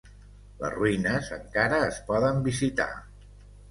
Les ruïnes encara es poden visitar.